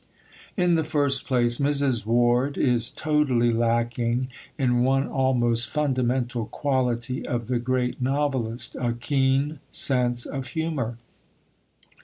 In the first place, Mrs. Ward is totally lacking in one almost fundamental quality of the great novelist a keen sense of humour.